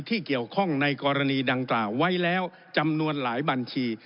ที่เกี่ยวข้องในกรณีดังกล่าวไว้แล้วจำนวนหลายบัญชี